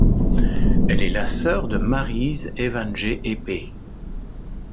Elle est la sœur de Maryse Éwanjé-Épée.